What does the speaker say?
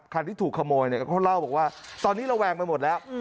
คันที่ถูกขโมยก็เล่าว่าตอนนี้เราแวงไปหมดแล้ว